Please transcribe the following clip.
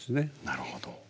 なるほど。